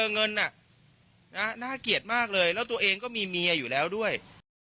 เงินน่ะน่าเกลียดมากเลยแล้วตัวเองก็มีเมียอยู่แล้วด้วย